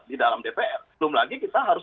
di dalam dpr belum lagi kita harus